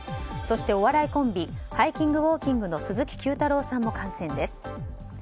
そしてお笑いコンビハイキングウォーキングの鈴木Ｑ太郎さんも感染です。